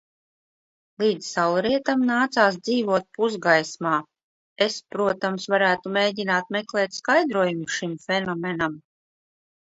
Līdz saulrietam nācās dzīvot pusgaismā. Es, protams, varētu mēģināt meklēt skaidrojumu šim fenomenam.